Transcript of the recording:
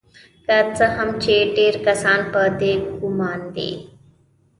که څه هم چې ډیر کسان په دې ګمان دي